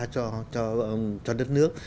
cho đất nước